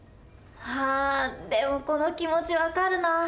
あでもこの気持ち分かるな。